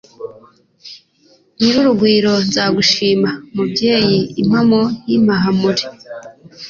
Nyir'urugwiro nzagushimaMubyeyi impamo ntimpahamure.